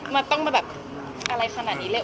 มันยังเร็วไปสำหรับหนุ่มหน้า